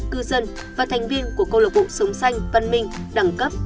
cư dân và thành viên của cộng lộc bộ sống xanh văn minh đẳng cấp